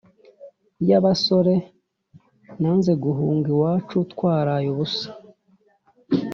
y’abasore nanze guhunga iwacu twaraye ubusa.